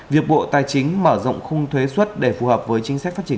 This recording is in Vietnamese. việc bộ tài chính mở rộng khung thuế xuất để phù hợp với chính sách phát triển